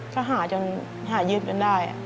เกลหายืนจนได้